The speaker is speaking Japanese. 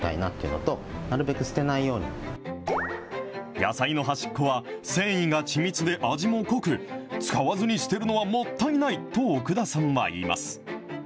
野菜の端っこは、繊維が緻密で味も濃く、使わずに捨てるのはもったいないと、奥田さんは言います。